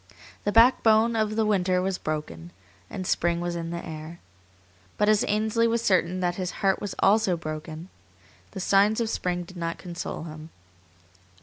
The "backbone of the winter was broken" and spring was in the air. But as Ainsley was certain that his heart also was broken, the signs of spring did not console him.